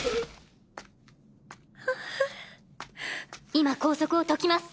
今拘束を解きます。